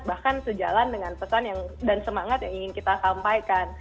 bahkan sejalan dengan pesan dan semangat yang ingin kita sampaikan